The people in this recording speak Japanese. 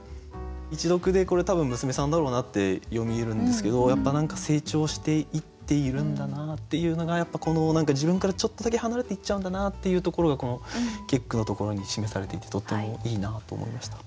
一読でこれ多分娘さんだろうなって読み得るんですけどやっぱ何か成長していっているんだなっていうのが自分からちょっとだけ離れていっちゃうんだなっていうところがこの結句のところに示されていてとってもいいなと思いました。